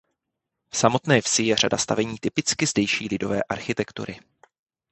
V samotné vsi je řada stavení typicky zdejší lidové architektury.